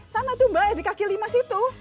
sana tuh mbak di kaki lima situ